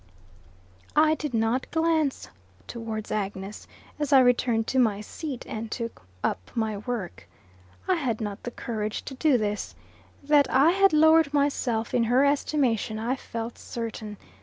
I did not glance towards Agnes, as I returned to my seat and took up my work. I had not the courage to do this. That I had lowered myself in her estimation, I felt certain.